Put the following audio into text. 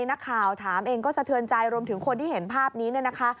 นักข่าวถามเองก็สะเทือนใจรวมถึงคนที่เห็นภาพนี้เนี่ยนะคะ